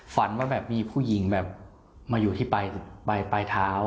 ฝันว่าแบบมีผู้หญิงแบบมาอยู่ที่ปลายเท้า